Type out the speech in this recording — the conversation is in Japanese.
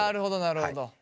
なるほど！